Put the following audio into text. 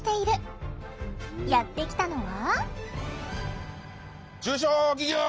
やって来たのは？